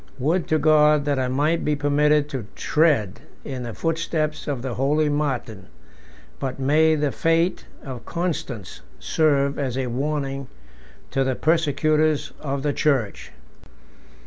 Would to God that I might be permitted to tread in the footsteps of the holy Martin! but may the fate of Constans serve as a warning to the persecutors of the church!